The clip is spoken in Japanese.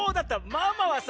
ママはさ